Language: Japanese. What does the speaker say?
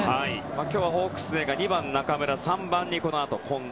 今日はホークス勢が２番に中村、３番に近藤